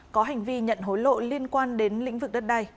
có hành vi nhận hối lộ liên quan đến lĩnh vực đất đai